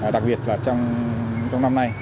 đặc biệt là trong năm nay